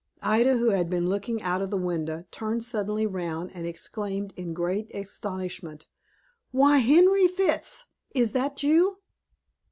Ida, who had been looking out of the window, turned suddenly round, and exclaimed, in great astonishment; "Why, William Fitts, is that you?"